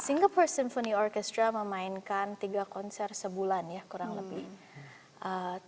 singapore symphoy orkestra memainkan tiga konser sebulan ya kurang lebih